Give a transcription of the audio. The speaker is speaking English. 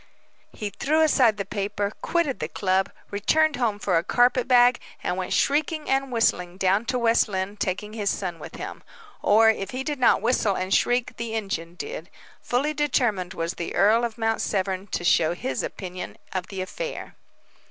He threw aside the paper, quitted the club, returned home for a carpet bag, and went shrieking and whistling down to West Lynne, taking his son with him. Or, if he did not whistle and shriek the engine did. Fully determined was the earl of Mount Severn to show his opinion of the affair.